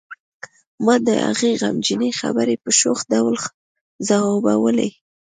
ما د هغې غمجنې خبرې په شوخ ډول ځوابولې